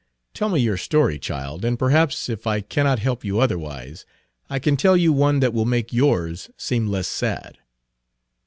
"Tell me your story, child, and perhaps, if I cannot help you otherwise, I can tell you one that will make yours seem less sad."